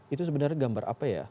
itu sebenarnya gambar apa ya